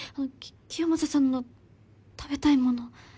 清正さんの食べたいもの。